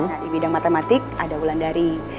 nah di bidang matematik ada wulandari